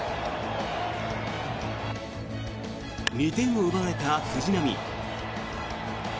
２点を奪われた藤浪。